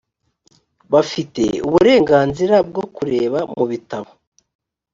bafite uburenganzira bwo kureba mubitabo